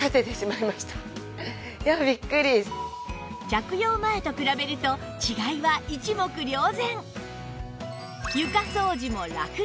着用前と比べると違いは一目瞭然